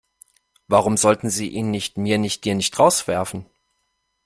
Warum sollte sie ihn nicht, mir nicht dir nicht, rauswerfen?